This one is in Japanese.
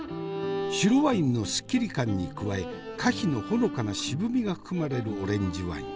白ワインのすっきり感に加え果皮のほのかな渋みが含まれるオレンジワイン。